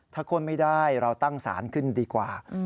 ถ้าคนไม่ได้เราตั้งสารขึ้นดีกว่า